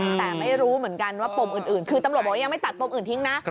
แต่ไม่รู้เหมือนกันว่าปมอื่นคือตำรวจบอกว่ายังไม่ตัดปมอื่นทิ้งนะ